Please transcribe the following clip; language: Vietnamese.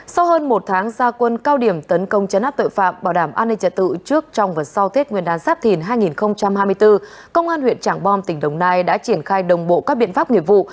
sau hơn một tháng gia quân cao điểm tấn công chấn áp tội phạm bảo đảm an ninh trật tự trước trong và sau tết nguyên đán giáp thìn hai nghìn hai mươi bốn công an huyện trảng bom tỉnh đồng nai đã triển khai đồng bộ các biện pháp nghiệp vụ